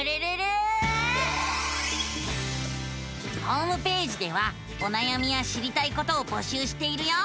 ホームページではおなやみや知りたいことを募集しているよ。